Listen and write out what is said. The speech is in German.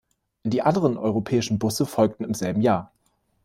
Die anderen europäischen Busse folgten im selben Jahr.